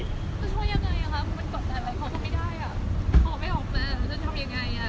พี่